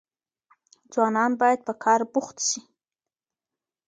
ځوانان بايد په کار بوخت سي.